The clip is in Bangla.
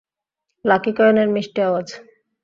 লাকি কয়েনের মিষ্টি আওয়াজ।